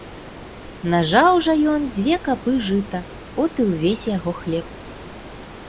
Нажаў жа ён дзве капы жыта, от і ўвесь яго хлеб.